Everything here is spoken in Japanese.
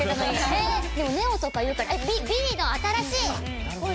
えでもネオンとか言うからＢの新しい！